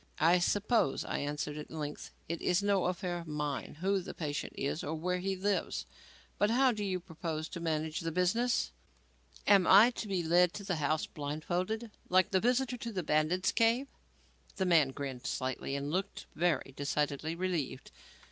"I suppose," I answered, at length, "it is no affair of mine who the patient is or where he lives. But how do you propose to manage the business? Am I to be led to the house blindfolded, like the visitor to the bandit's cave?" The man grinned slightly and looked very decidedly relieved.